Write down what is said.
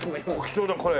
貴重だこれ。